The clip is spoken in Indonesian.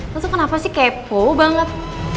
lo tuh kenapa sih kepo banget